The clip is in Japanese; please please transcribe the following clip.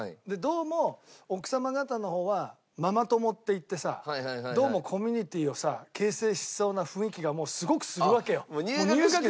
でどうも奥様方の方はママ友っていってさどうもコミュニティをさ形成しそうな雰囲気がもうすごくするわけよ。